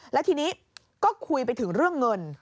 แล้วทีนี้ก็คุยไปถึงเรื่องเงิน